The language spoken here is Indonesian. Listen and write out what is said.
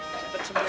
cepet semua ya mak